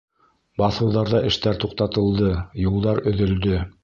Баҫыуҙарҙа эштәр туҡталды, юлдар өҙөлдө.